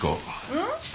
うん？